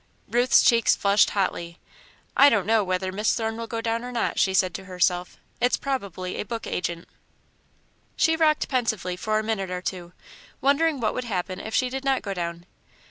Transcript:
Ruth's cheeks flushed hotly. "I don't know whether Miss Thorne will go down or not," she said to herself. "It's probably a book agent." She rocked pensively for a minute or two, wondering what would happen if she did not go down.